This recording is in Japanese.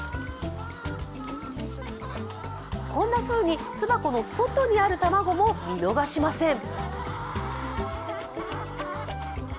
こんなふうに巣箱の外にある卵も見逃しません。